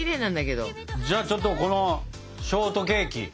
じゃあちょっとこのショートケーキ。